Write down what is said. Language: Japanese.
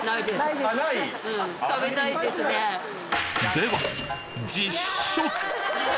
では実食！